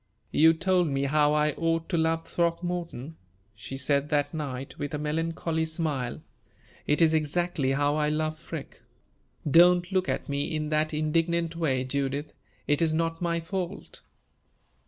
"You told me how I ought to love Throckmorton," she said that night, with a melancholy smile; "it is exactly how I love Freke. Don't look at me in that indignant way, Judith. It is not my fault."